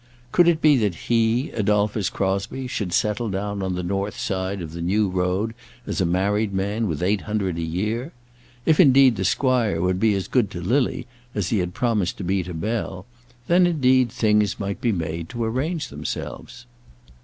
Could it be that he, Adolphus Crosbie, should settle down on the north side of the New Road, as a married man, with eight hundred a year? If indeed the squire would be as good to Lily as he had promised to be to Bell, then indeed things might be made to arrange themselves.